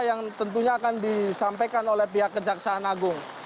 yang tentunya akan disampaikan oleh pihak kejaksaan agung